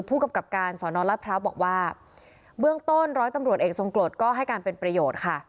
ผู้กำกับการสอนอนรัฐพร้าวบอกว่าเบื้องต้นร้อยตำรวจเอกทรงกรดก็ให้การเป็นประโยชน์ค่ะ